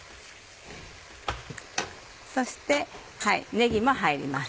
そしてねぎも入ります。